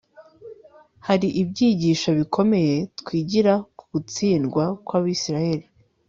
hari ibyigisho bikomeye twigira ku gutsindwa kw'abisirayeli